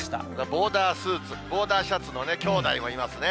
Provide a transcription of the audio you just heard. ボーダースーツ、ボーダーシャツのきょうだいもいますね。